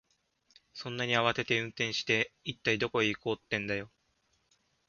そんなに慌てて運転して、一体どこへ行こうってんだよ。